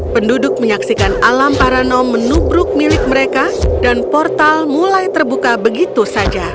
penduduk menyaksikan alam paranom menubruk milik mereka dan portal mulai terbuka begitu saja